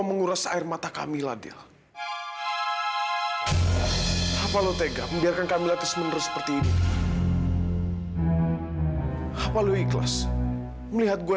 taufan kenapa lo berdandan seperti fadil seperti gua